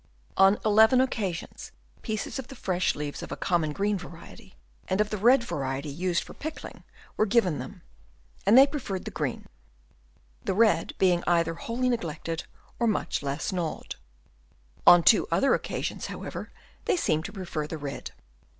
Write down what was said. On eleven occasions pieces of the fresh leaves of a common green variety and of the red variety used for pickling were given them, and they preferred the green, the red being either wholly neglected or much less gnawed. On two other occasions, how ever, they seemed to prefer the red.